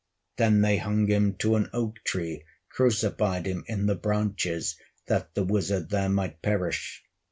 Then they hung him to an oak tree, Crucified him in the branches, That the wizard there might perish.